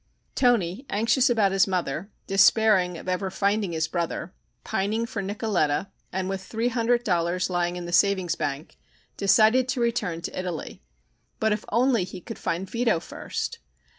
Toni, anxious about his mother, despairing of ever finding his brother, pining for Nicoletta and with three hundred dollars lying in the savings bank, decided to return to Italy. But if only he could find Vito first!